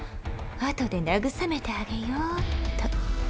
あとで慰めてあげよっと。